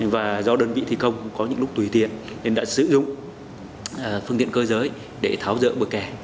và do đơn vị thi công có những lúc tùy tiện nên đã sử dụng phương tiện cơ giới để tháo dỡ bờ kè